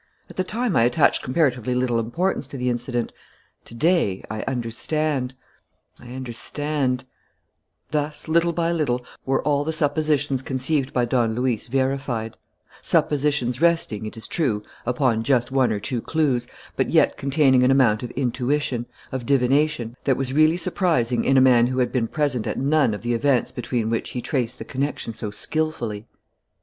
At the time I attached comparatively little importance to the incident. To day, I understand, I understand " Thus, little by little, were all the suppositions conceived by Don Luis verified: suppositions resting, it is true, upon just one or two clues, but yet containing an amount of intuition, of divination, that was really surprising in a man who had been present at none of the events between which he traced the connection so skilfully.